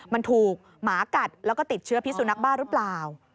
มันถูกหมากัดแล้วก็ติดเชื้อพิสุนักบ้าหรือเปล่า